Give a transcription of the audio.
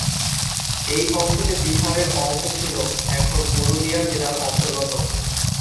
এই অংশটি বিহারের অংশ ছিল এখন পুরুলিয়া জেলার অন্তর্গত।